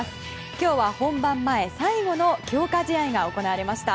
今日は、本番前最後の強化試合が行われました。